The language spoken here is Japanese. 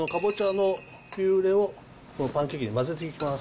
かぼちゃのピューレをパンケーキに混ぜていきます。